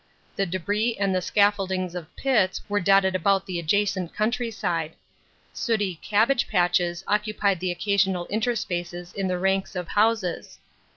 The debris and the scaffoldings of pits were dotted about the adjacent countryside. Sooty cabbage patches occupied the occasional interspaces in the ranks of houses.